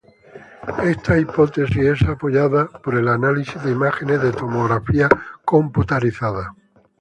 Esta hipótesis es apoyada por el análisis de imágenes de tomografía computarizada.